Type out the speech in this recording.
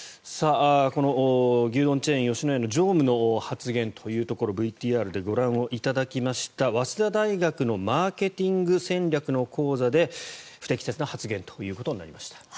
この牛丼チェーン、吉野家の常務の発言をＶＴＲでご覧いただきました早稲田大学のマーケティング戦略の講座で不適切な発言ということになりました。